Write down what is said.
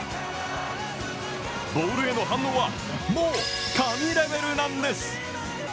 ボールへの反応は、もう神レベルなんです。